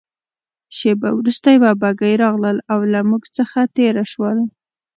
شېبه وروسته یوه بګۍ راغلل او له موږ څخه تېره شول.